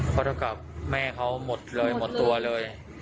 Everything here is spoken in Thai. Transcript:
พันธกรรมแม่เค้าหมดเลยหมดตัวเลย